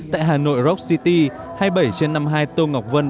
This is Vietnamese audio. tại hà nội rock city hai mươi bảy trên năm mươi hai tô ngọc vân